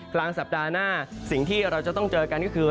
กลางสัปดาห์หน้าสิ่งที่เราจะต้องเจอกันก็คือ